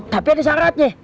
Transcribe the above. tapi ada syaratnya